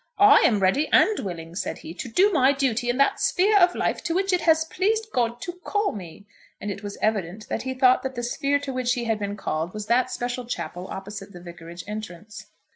"I am ready and willing," said he, "to do my duty in that sphere of life to which it has pleased God to call me." And it was evident that he thought that the sphere to which he had been called was that special chapel opposite to the vicarage entrance.